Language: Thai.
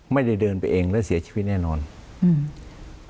ไม่ได้เดินไปเองแล้วเสียชีวิตแน่นอนอืม